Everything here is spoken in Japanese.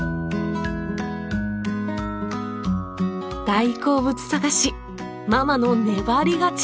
大好物探しママのネバり勝ち！